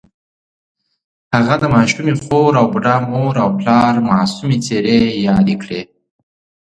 هغه د ماشومې خور او بوډا مور او پلار معصومې څېرې یادې کړې